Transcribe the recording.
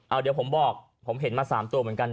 เอาเดี๋ยวผมบอกผมเห็นมา๓ตัวเหมือนกัน